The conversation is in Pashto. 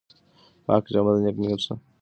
پاکه جامه د نېک نیت نښه ده خو که انسان نېک وي.